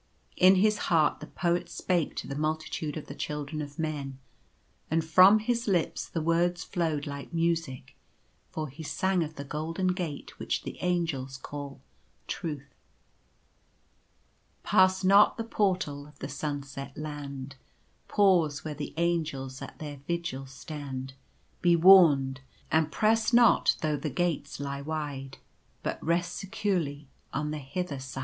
In his heart the Poet spake to the multitude of the children of men ; and from his lips the words flowed like music, for he sang of the Golden Gate which the Angels call Truth. " Pass not the Portal of the Sunset Land ! Pause where the Angels at their vigil stand. Be warned ! and press not though the gates lie wide, But rest securely on the hither side.